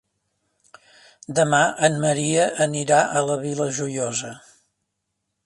Demà en Maria anirà a la Vila Joiosa.